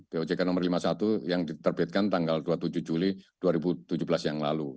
pojk nomor lima puluh satu yang diterbitkan tanggal dua puluh tujuh juli dua ribu tujuh belas yang lalu